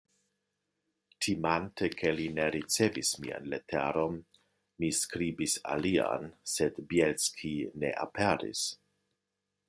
Timante, ke li ne ricevis mian leteron, mi skribis alian, sed Bjelski ne aperis.